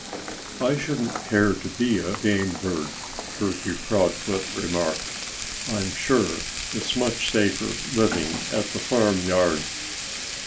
(Page 80)] "I shouldn't care to be a game bird," Turkey Proudfoot remarked. "I'm sure it's much safer living at the farmyard."